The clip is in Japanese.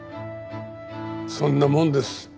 そんなもんです。